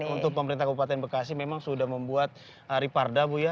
untuk pemerintah kabupaten bekasi memang sudah membuat riparda bu ya